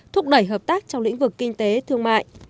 thúc đẩy hợp tác trong lĩnh vực kinh tế thương mại